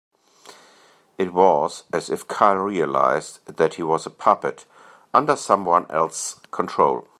It was as if Carl realised that he was a puppet under someone else's control.